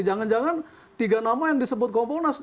jangan jangan tiga nama yang disebut komponas